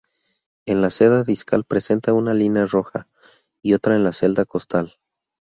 En la ceda discal presenta una línea roja, y otra en la celda costal.